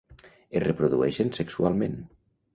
Es reprodueixen sexualment.